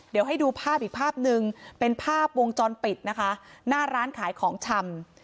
เดี๋ยวให้ดูภาพอีกภาพหนึ่งเป็นภาพวงจรปิดนะคะหน้าร้านขายของชำ